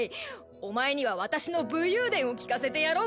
お前には私の武勇伝を聞かせてやろう